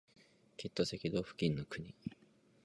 きっと赤道付近の国